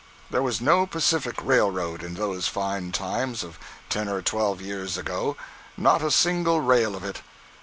There was no Pacific railroad in those fine times of ten or twelve years ago—not a single rail of it.